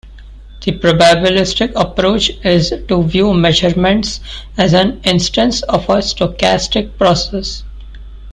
The probabilistic approach is to view measurements as an instance of a stochastic process.